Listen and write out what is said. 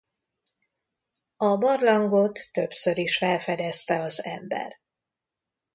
A barlangot többször is felfedezte az ember.